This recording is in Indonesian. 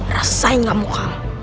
rasanya gak mukam